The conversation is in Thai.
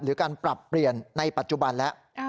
หรือการปรับเปลี่ยนในปัจจุบันแล้ว